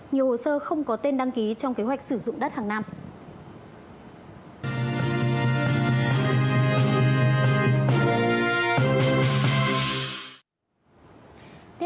nhiều hồ sơ không có tên đăng ký trong kế hoạch sử dụng đất hàng năm